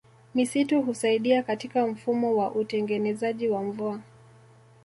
Misitu Husaidia katika mfumo wa utengenezaji wa mvua